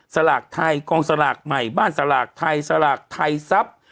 สลากไทยกองสลากใหม่บ้านสลากไทยสลากไทยทรัพย์